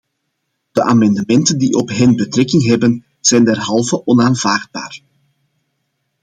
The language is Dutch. De amendementen die op hen betrekking hebben zijn derhalve onaanvaardbaar.